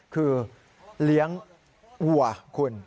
คือเลี้ยงวัวคุณ